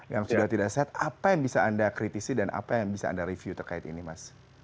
yang sudah tidak sehat apa yang bisa anda kritisi dan apa yang bisa anda review terkait ini mas